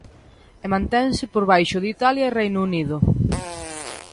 E mantense por baixo de Italia e Reino Unido.